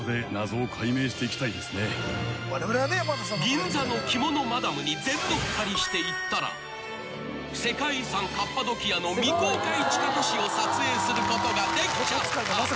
［銀座の着物マダムに全乗っかりしていったら世界遺産カッパドキアの未公開地下都市を撮影することができちゃった］